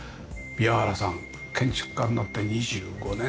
宮原さん建築家になって２５年。